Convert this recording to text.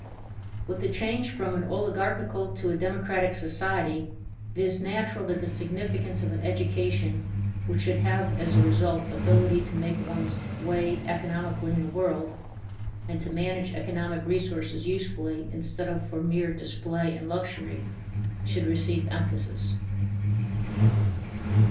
With the change from an oligarchical to a democratic society, it is natural that the significance of an education which should have as a result ability to make one's way economically in the world, and to manage economic resources usefully instead of for mere display and luxury, should receive emphasis.